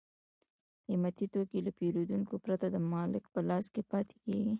قیمتي توکي له پېرودونکو پرته د مالک په لاس کې پاتې کېږي